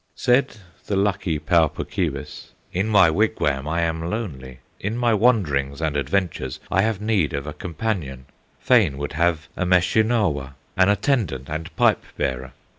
Said the lucky Pau Puk Keewis: "In my wigwam I am lonely, In my wanderings and adventures I have need of a companion, Fain would have a Meshinauwa, An attendant and pipe bearer.